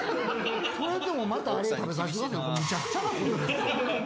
それでもまた食べさせてくださいってむちゃくちゃですよ。